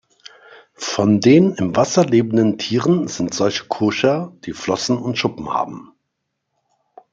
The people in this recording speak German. Von den im Wasser lebenden Tieren sind solche koscher, die Flossen und Schuppen haben.